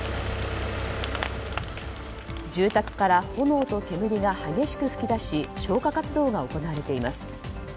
住宅から炎と煙が激しく噴き出し消火活動が行われています。